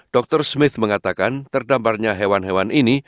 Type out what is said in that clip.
dr smith mengatakan terdamparnya hewan hewan ini